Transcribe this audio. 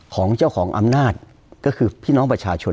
ของเจ้าของอำนาจก็คือพี่น้องประชาชน